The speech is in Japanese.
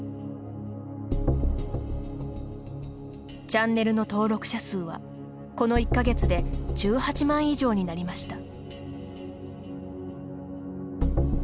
チャンネルの登録者数はこの１か月で１８万以上になりました。